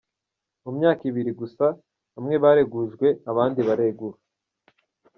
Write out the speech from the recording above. Mu myaka ibiri gusa bamwe baregujwe abandi baregura.